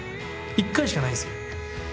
１回しかないんですよ。